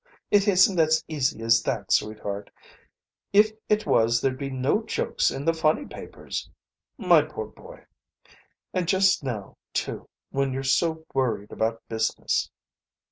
"It isn't as easy as that, sweetheart. If it was there'd be no jokes in the funny papers. My poor boy! And just now, too, when you're so worried about business."